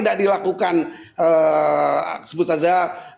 dan sebut saja